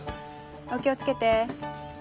お気を付けて。